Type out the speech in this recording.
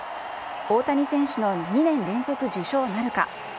大谷選手の２年連続受賞なるか。